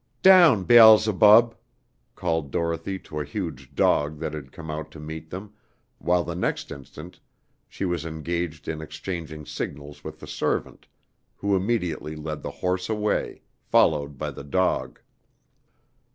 "Down, Beelzebub!" called Dorothy to a huge dog that had come out to meet them, while the next instant she was engaged in exchanging signals with the servant, who immediately led the horse away, followed by the dog.